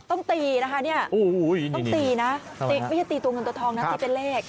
ต้องตีนะคะเนี่ยต้องตีนะไม่ใช่ตีตัวเงินตัวทองนะตีเป็นเลข